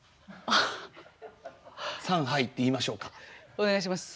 お願いします。